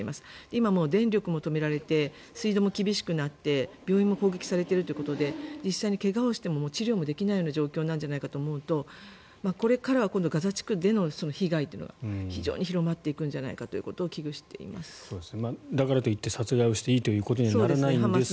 今、電力も止められて水道も厳しくなって病院も攻撃されているということで怪我をしても治療できない状況なんじゃないかと思うとこれからはガザ地区での被害というのが非常に広まっていくのではないかということをだからと言って殺害をしていいということにはならないんですけど。